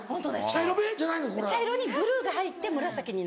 茶色にブルーが入って紫に。